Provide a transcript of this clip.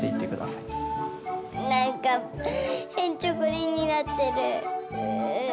なんかへんちょこりんになってる。